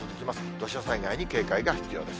土砂災害に警戒が必要です。